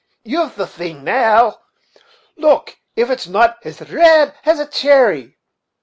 you've the thing now; look if it's not as red as a cherry."